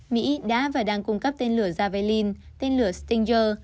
mỹ đã và đang cung cấp tên lửa javalin tên lửa stinger